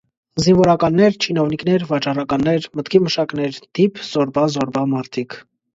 զինվորականներ, չինովնիկներ, վաճառականներ, մտքի մշակներ- դիփ զոռբա-զոռբա մարդիկ: